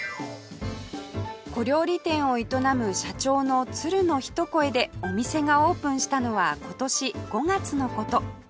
小料理店を営む社長の鶴の一声でお店がオープンしたのは今年５月の事